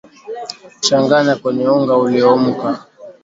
changanya kwenye unga ulioumka